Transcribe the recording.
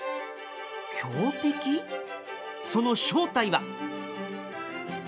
その正体は。